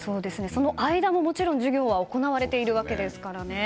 その間ももちろん授業は行われているわけですから。